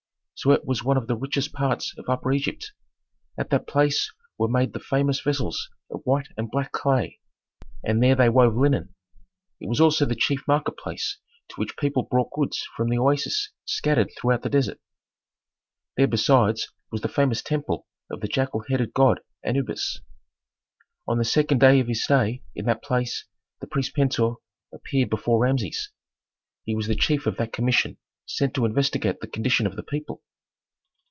Siut was one of the richest parts of Upper Egypt. At that place were made the famous vessels of white and black clay, and there they wove linen. It was also the chief market place to which people brought goods from the oases scattered throughout the desert. There besides was the famous temple of the jackal headed god, Anubis. On the second day of his stay in that place the priest Pentuer appeared before Rameses. He was the chief of that commission sent to investigate the condition of the people.